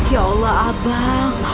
ya allah abang